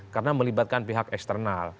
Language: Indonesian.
karena melibatkan pihak eksternal